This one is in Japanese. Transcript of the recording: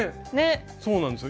そうなんですよ。